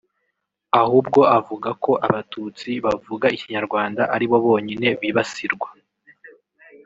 ahubwo avuga ko Abatutsi bavuga ikinyarwanda ari bo bonyine bibasirwa